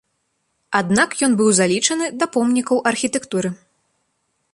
Аднак ён быў залічаны да помнікаў архітэктуры.